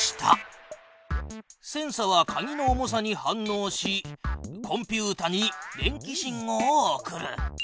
センサは鍵の重さに反のうしコンピュータに電気信号を送る。